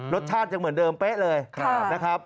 รสชาติยังเหมือนเดิมเป๊ะเลยนะครับ